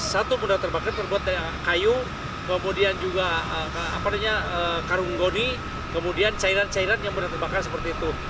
satu yang sudah terbakar itu kayu karung goni kemudian cairan cairan yang sudah terbakar seperti itu